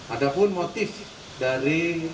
ada pun motif dari